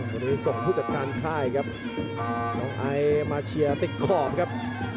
วันนี้ส่งผู้จัดการค่ายครับน้องไอซ์มาเชียร์ติดขอบครับ